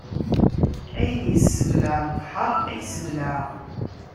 Ayen isseblaɛ lebḥeṛ, ay sbelɛeɣ.